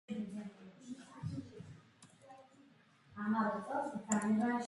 ჭორომების სიმრავლის გამო მდინარე სანაოსნო არ არის.